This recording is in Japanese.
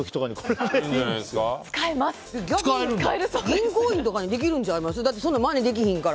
銀行印とかにできるんちゃいます？